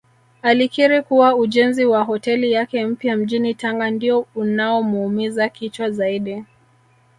Alikiri kuwa ujenzi wa hoteli yake mpya mjini Tanga ndio unaomuumiza kichwa zaidi